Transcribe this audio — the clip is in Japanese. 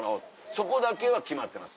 そこだけは決まってます。